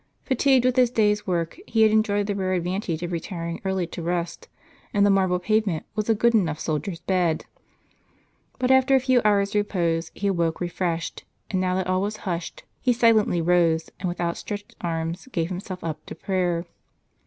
Fatigued with his day's work, he had enjoyed the rare advantage of retiring early to rest ; and the marble pave ment was a good enough soldier's bed. But, after a few hours' repose, he awoke refreshed ; and now that all was hushed, he silently rose, and with outstretched arms, gave himself up to prayer.